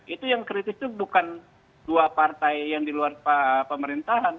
itu yang kritis itu bukan dua partai yang di luar pemerintahan